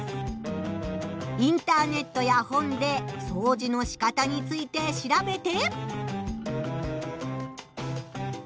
インターネットや本でそうじのしかたについて調べて。